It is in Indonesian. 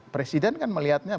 presiden kan melihatnya